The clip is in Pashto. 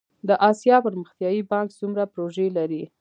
د اسیا پرمختیایی بانک څومره پروژې لري؟